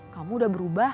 kamu udah berubah